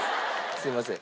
すいません。